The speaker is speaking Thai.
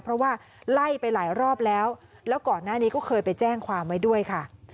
เพราะว่าไล่ไปหลายรอบแล้วแล้วก่อนหน้านี้ก็เคยไปแจ้งความไว้ด้วยค่ะ